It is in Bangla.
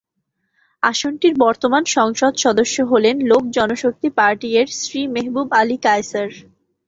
আসনটির বর্তমান সংসদ সদস্য হলেন লোক জনশক্তি পার্টি-এর শ্রী মেহবুব আলী কায়সার।